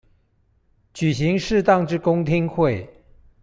舉行適當之公聽會